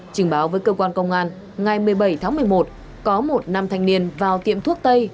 trình báo với cơ quan công an ngày một mươi bảy tháng một mươi một có một nam thanh niên vào tiệm thuốc tây